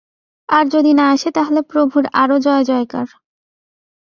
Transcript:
আর যদি না আসে, তাহলে প্রভুর আরও জয়জয়কার।